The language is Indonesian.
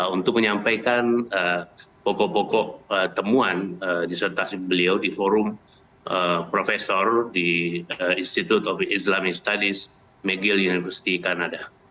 untuk menyampaikan pokok pokok temuan disertasi beliau di forum profesor di institute of islamic studies megile university kanada